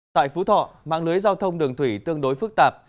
tại phú thọ mạng lưới giao thông đường thủy tương đối phức tạp